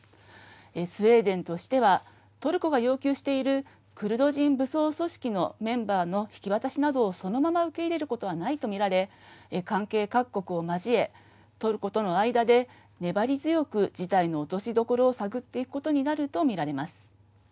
スウェーデンとしてはトルコが要求しているクルド人武装組織のメンバーの引き渡しなどをそのまま受け入れることはないと見られ関係各国を交えトルコとの間で粘り強く、事態の落としどころを探っていくことになると見られます。